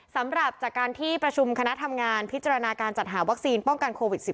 สำหรับจากการที่ประชุมคณะทำงานพิจารณาการจัดหาวัคซีนป้องกันโควิด๑๙